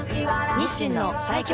日清の最強